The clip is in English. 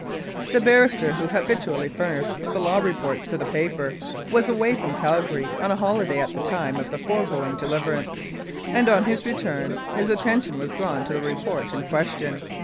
'" The barrister who habitually furnished the law re ports to the paper was away from Calgary on a holiday at the time of the foregoing deliverance, and on his return his attention was drawn to the report in question.